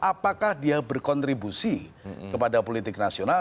apakah dia berkontribusi kepada politik nasional